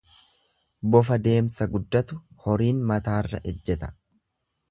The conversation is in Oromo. Bofa deemsa guddatu horiin mataarra ejjeta.